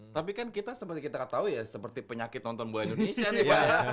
tapi kan kita seperti kita ketahui ya seperti penyakit nonton bola indonesia nih pak